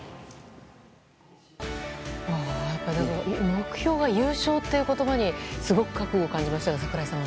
目標が優勝っていう言葉にすごく覚悟を感じましたが櫻井さん。